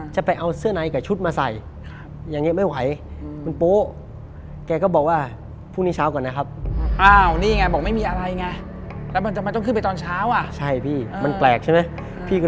อเจมส์กว่าค่าห้องอีกอาทิตย์นี้